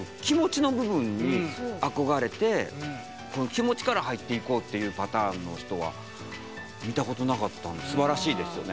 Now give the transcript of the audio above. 気持ちから入っていこうっていうパターンの人は見たことなかったんですばらしいですよね。